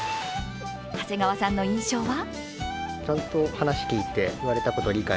長谷川さんの印象は？